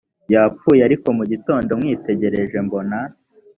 yapfuye ariko mu gitondo mwitegereje mbona